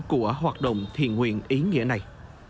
của hoạt động thiền nguyện ý nghĩa này